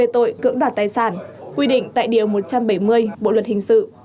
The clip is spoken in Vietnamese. hai tội cưỡng đoạt tài sản quy định tại điều một trăm bảy mươi bộ luật hình sự